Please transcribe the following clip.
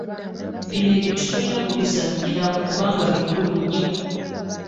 Bino ebintu tolina kubizanyiramu kubanga bikulu nnyo.